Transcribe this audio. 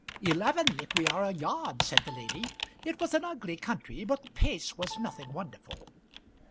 "Eleven if we are a yard," said the lady. "It was an ugly country, but the pace was nothing wonderful."